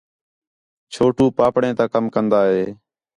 چھوٹو پاپڑیں تا کم کندا ہے